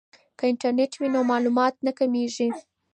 که انټرنیټ وي نو معلومات نه کمیږي.